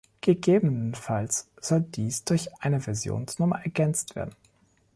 Gegebenenfalls soll dies durch eine Versionsnummer ergänzt werden.